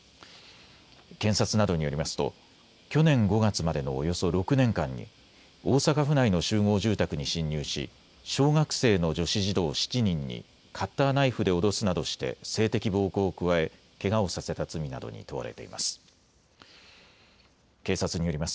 検察などによりますと去年５月までのおよそ６年間に大阪府内の集合住宅に侵入し小学生の女子児童７人にカッターナイフで脅すなどして性的暴行を加え、けがをさせた罪などに問われています。